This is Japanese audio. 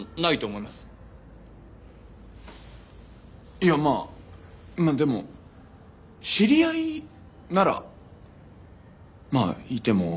いやまぁまぁでも知り合いならまぁいてもいいかな。